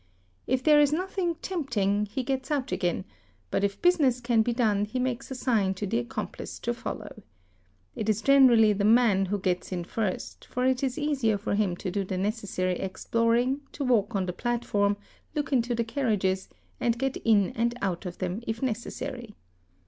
If there is nothing tempting, he gets out again, but if business can be done he makes a sign to the accomplice to follow. It is generally the RU a 8 ae man who gets in first, for it is easier for him to do the necessary explor ing, to walk on the platform, look into the carriages, and get in and out of them if necessary.